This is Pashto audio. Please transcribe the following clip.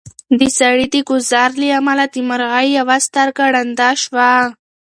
د سړي د ګوزار له امله د مرغۍ یوه سترګه ړنده شوه.